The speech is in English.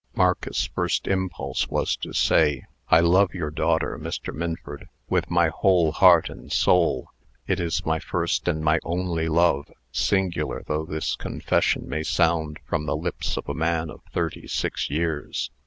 Marcus's first impulse was to say: "I love your daughter, Mr. Minford, with my whole heart and soul. It is my first and my only love, singular though this confession may sound from the lips of a man of thirty six years.